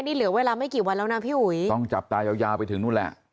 นี่เหลือเวลาไม่กี่วันแล้วนะพี่อุ๋ยต้องจับตายาวยาวไปถึงนู่นแหละ